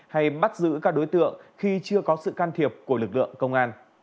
hay bắt giữ các đối tượng khi chưa có sự can thiệp của lực lượng công an